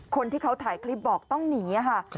คนที่เขาถ่ายคลิปบอกต้องหนีค่ะ